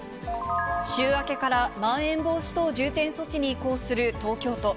週明けからまん延防止等重点措置に移行する東京都。